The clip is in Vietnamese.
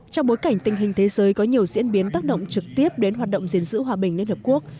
trong bối cảnh tình hình thế giới có nhiều diễn biến tác động trực tiếp đến hoạt động diễn giữ hòa bình liên hợp quốc